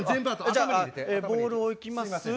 じゃあ、ボールを置きます。